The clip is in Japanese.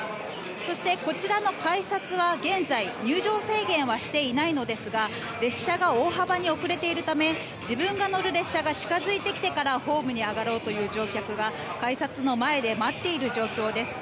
そしてこちらの改札は現在入場制限はしていないのですが列車が大幅に遅れているため自分が乗る列車が近付いてきてからホームに上がろうという乗客が改札の前で待っている状況です。